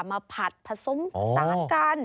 ผัดผสมผสานกัน